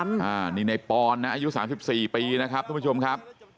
อ่านี่นายปอนนะอายุสามสิบสี่ปีนะครับทุกผู้ชมครับ